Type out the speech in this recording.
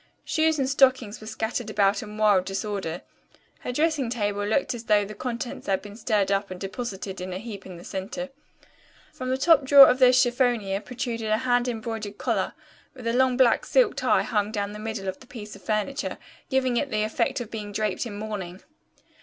Shoes and stockings were scattered about in wild disorder. Her dressing table looked as though the contents had been stirred up and deposited in a heap in the center. From the top drawer of the chiffonier protruded a hand embroidered collar, and a long black silk tie hung down the middle of the piece of furniture, giving it the effect of being draped in mourning.